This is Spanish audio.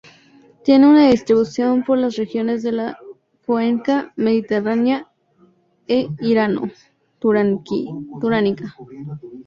Tiene una distribución por las regiones de la Cuenca mediterránea e Irano-Turánica.